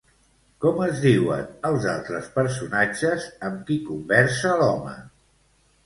Com es diuen els altres personatges amb qui conversa l'home?